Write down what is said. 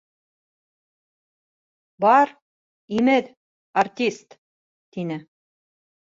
-Бар, имеҙ, артист!- тине.